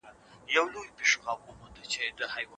د مؤسس ظهرالدین محمدبابر نیولی وو.